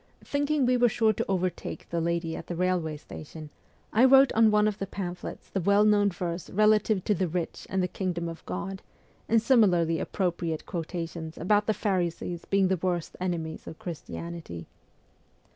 Thinking we were sure to overtake the lady at the railway station, I wrote on one of the pamphlets the well known verse relative to the rich and the Kingdom of God, and similarly appropriate quota tions about the Pharisees being the worst enemies of Christianity.